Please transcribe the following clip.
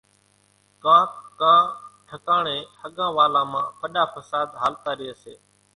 ڪانڪ ڪان ٺڪاڻين ۿڳان والان مان ڦڏا ڦساۮ هالتا ريئيَ سي۔